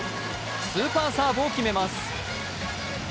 スーパーサーブを決めます。